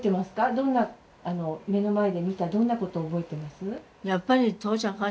どんな目の前で見たどんなこと覚えてます？